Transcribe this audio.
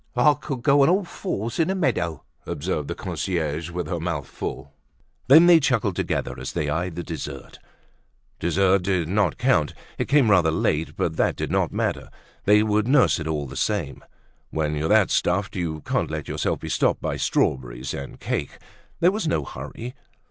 "I could go on all fours in a meadow," observed the concierge with her mouth full. Then they chuckled together as they eyed the dessert. Dessert did not count. It came rather late but that did not matter; they would nurse it all the same. When you're that stuffed, you can't let yourself be stopped by strawberries and cake. There was no hurry.